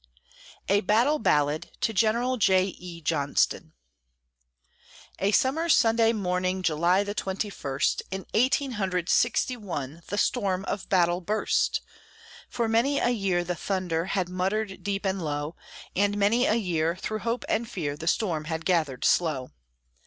A BATTLE BALLAD TO GENERAL J. E. JOHNSTON A summer Sunday morning, July the twenty first, In eighteen hundred sixty one, The storm of battle burst. For many a year the thunder Had muttered deep and low, And many a year, through hope and fear, The storm had gathered slow.